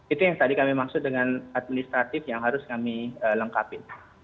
itu yang tadi kami maksud dengan administratif yang harus kami lengkapi